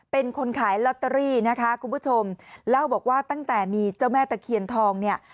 เป็นคนขายลอตเตอรี่นะคะคุณผู้ชมเล่าบอกว่าตั้งแต่มีเจ้าแม่ตะเคียนทองเนี่ย